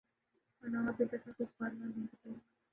Panama Papers میں کچھ بات نہ بن سکی۔